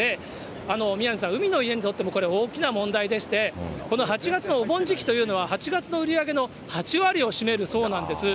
宮根さん、海の家にとっても大きな問題でして、この８月のお盆時期というのは、８月の売り上げの８割を占めるそうなんです。